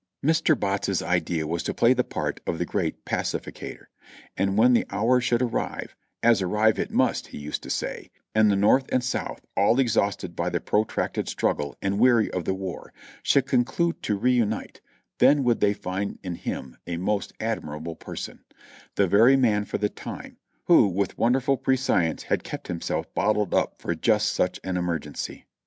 Mr. Botts's idea was to play the part of the great pacificator; and when the hour should arrive, as "arrive it must," he used to say, and the North and South, all exhausted by the protracted struggle, and weary of the war, should conclude to reunite, then would they find in him a most admirable person; the very man for the time, who with wonderful prescience had kept himself bottled up for just such an emergency.